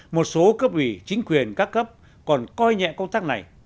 một số cấp ủy chính quyền các cấp còn coi nhẹ công tác này